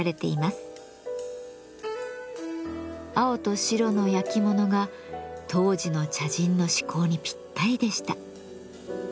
青と白の焼き物が当時の茶人の嗜好にぴったりでした。